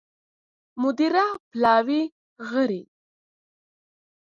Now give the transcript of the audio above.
مدیره پلاوي غړي